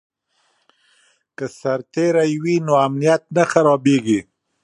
که سرتیری وي نو امنیت نه خرابېږي.